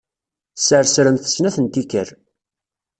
Ssersremt snat n tikkal.